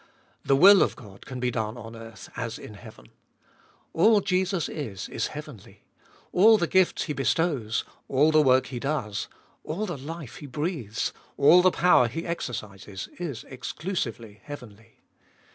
The will of God can be done on earth as in heaven. All Jesus is, is heavenly ; all the gifts He bestows, all the work He does, all the life He breathes, all the power He exercises is exclusively heavenly.